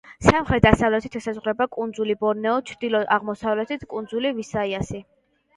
სამხრეთ-დასავლეთით ესაზღვრება კუნძული ბორნეო, ჩრდილო-აღმოსავლეთით კუნძული ვისაიასი.